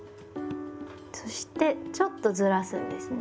そしてちょっとずらすんですね。